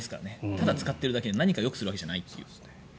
ただ使っているだけで、何かをよくするわけじゃないという。